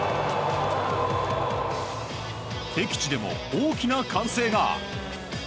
敵地でも大きな歓声が。